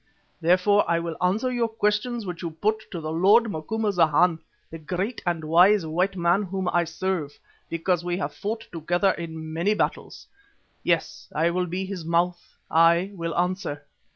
Therefore I will answer your questions which you put to the lord Macumazana, the great and wise white man whom I serve, because we have fought together in many battles. Yes, I will be his Mouth, I will answer.